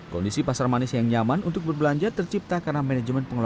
kondisi pasar manis yang nyaman untuk berbelanja tercipta karena manajemen pengelolaan